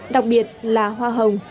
đặc biệt là hoa hồng